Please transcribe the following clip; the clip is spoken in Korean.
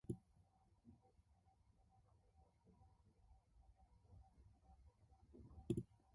감독의 무거운 음성이 방 안을 울려 주었다.